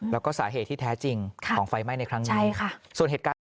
แล้วก็สาเหตุที่แท้จริงของไฟไหม้ในครั้งนี้